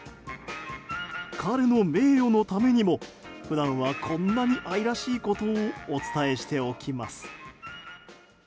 彼の名誉のためにも普段はこんなに愛らしいことをお伝えしておきます。